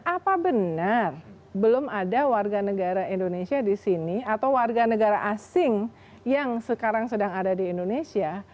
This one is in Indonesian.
apa benar belum ada warga negara indonesia di sini atau warga negara asing yang sekarang sedang ada di indonesia